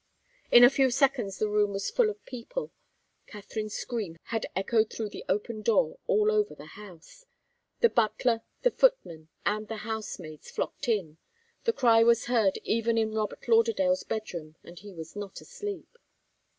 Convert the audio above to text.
In a few seconds the room was full of people. Katharine's scream had echoed through the open door all over the house. The butler, the footmen, and the housemaids flocked in. The cry was heard even in Robert Lauderdale's bedroom, and he was not asleep.